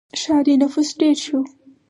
• ښاري نفوس ډېر شو.